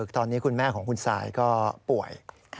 ตอนนี้คุณแม่ของคุณซายก็ป่วย